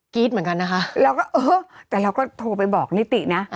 เหมือนกันนะคะเราก็เออแต่เราก็โทรไปบอกนิตินะ